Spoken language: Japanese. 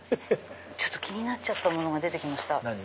ちょっと気になっちゃったものが出て来ました。